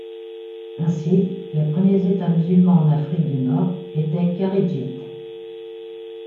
Ainsi, les premiers États musulmans en Afrique du Nord étaient kharidjites.